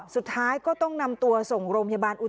สุดท้ายก็ต้องนำตัวส่งโรงพยาบาลอุท